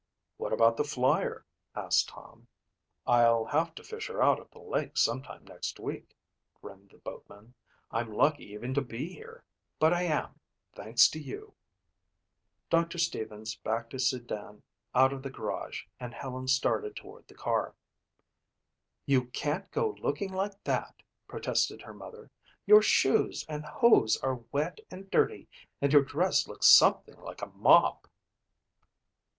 "What about the Flyer?" asked Tom. "I'll have to fish her out of the lake sometime next week," grinned the boatman. "I'm lucky even to be here, but I am, thanks to you." Doctor Stevens backed his sedan out of the garage and Helen started toward the car. "You can't go looking like that," protested her mother. "Your shoes and hose are wet and dirty and your dress looks something like a mop."